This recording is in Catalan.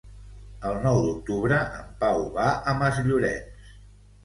El nou d'octubre en Pau va a Masllorenç.